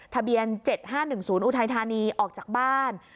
ทะเบียน๗๕๑๐อุทัยธานีออกจากบ้าน